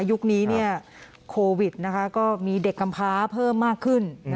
ยุคนี้โควิดก็มีเด็กกำพ้าเพิ่มมากขึ้น